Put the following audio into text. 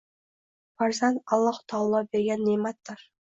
Farzand Alloh taolo bergan ne’matdir.